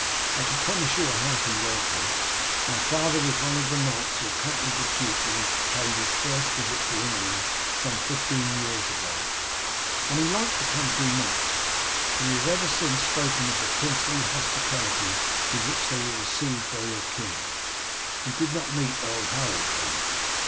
I can promise you a hearty welcome. My father was one of the knights who accompanied the duke when he paid his visit to England some fifteen years ago, and he liked the country much, and has ever since spoken of the princely hospitality with which they were received by your king. He did not meet Earl Harold then."